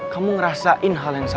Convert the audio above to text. kamu ngerasain hal yang sama